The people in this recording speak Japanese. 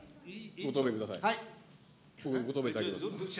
ご答弁ください。